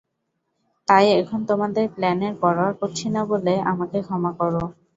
তাই এখন তোমাদের প্ল্যানের পরোয়া করছি না বলে আমাকে ক্ষমা করো।